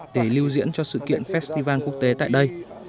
để lưu diễn cho sự kiện festival quốc tế tại đây